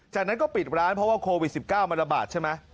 จากนั้นก็ปิดร้านเพราะว่าโควิด๑๙มันระบาดใช่ไหม